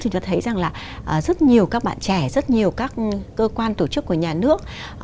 thì cho thấy rằng là rất nhiều các bạn trẻ rất nhiều các cơ quan tổ chức của nhà nước